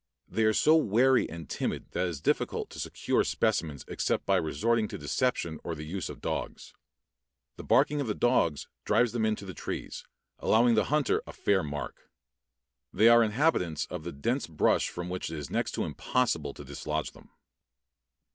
They are so wary and timid that it is difficult to secure specimens except by resorting to deception or the use of dogs. The barking of the dogs drives them into the trees, allowing the hunter a fair mark. They are inhabitants of the dense brush from which it is next to impossible to dislodge them.